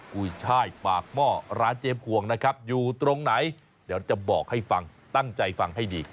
กุยช่ายปากหม้อร้านเจมสวงนะครับอยู่ตรงไหนเดี๋ยวจะบอกให้ฟังตั้งใจฟังให้ดี